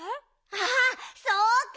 あっそうか！